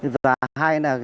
và hai là